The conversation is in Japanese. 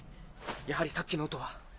やはりさっきの音は。